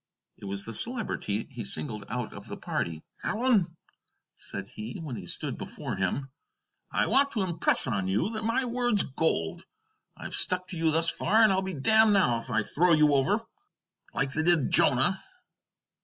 It was the Celebrity he singled out of the party. "Allen," said he, when he stood before him, "I want to impress on you that my word's gold. I've stuck to you thus far, and I'll be damned now if I throw you over, like they did Jonah."